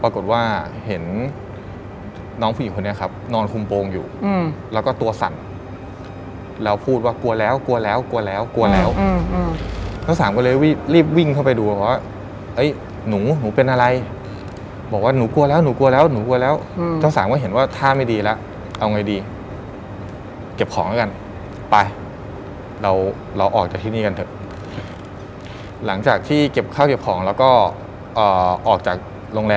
คือเขาคิดว่าน่าจะเป็นผีอะ